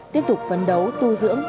tiếp tục phân đấu tu dưỡng